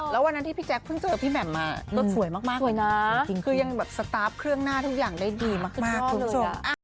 แล้ววันนั้นที่พี่แจ๊คเพิ่งเจอพี่แหม่มมาก็สวยมากเลยนะคือยังแบบสตาร์ฟเครื่องหน้าทุกอย่างได้ดีมากคุณผู้ชม